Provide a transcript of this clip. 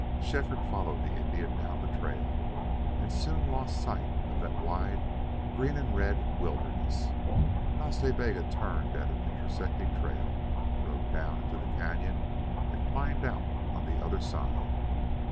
Shefford followed the Indian down the trail and soon lost sight of that wide green and red wilderness. Nas Ta Bega turned at an intersecting trail, rode down into the cañon, and climbed out on the other side.